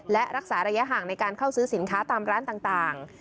และรักษาระยะห่างในการเข้าซื้อสินค้าตามร้านต่าง